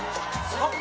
あっ！